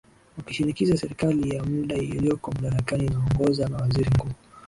wakishinikiza serikali ya mda ilioko madarakani inayoongoza na waziri mkuu